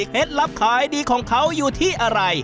ลับขายดีของเขาอยู่ที่อะไร